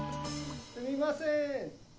・すみません！